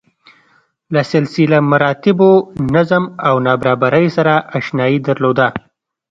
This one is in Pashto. له سلسله مراتبو، نظم او نابرابرۍ سره اشنايي درلوده.